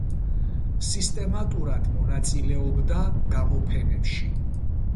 სისტემატურად მონაწილეობდა გამოფენებში.